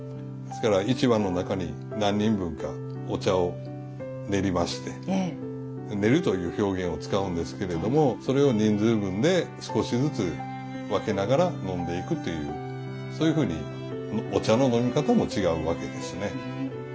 ですから一碗の中に何人分かお茶を練りまして「練る」という表現を使うんですけれどもそれを人数分で少しずつ分けながら飲んでいくというそういうふうにお茶の飲み方も違うわけですね。